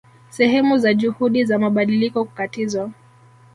Sehemu za juhudi za mabadiliko kukatizwa